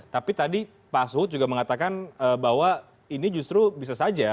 tapi tadi pak sud juga mengatakan bahwa ini justru bisa saja